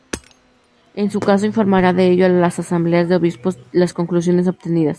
En su caso, informará de ello a las asambleas de obispos las conclusiones obtenidas.